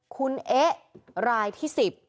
คุณเอ๊ะรายที่๑๐